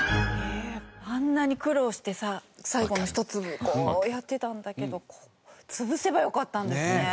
あんなに苦労してさ最後の一粒こうやってたんだけど潰せばよかったんですね。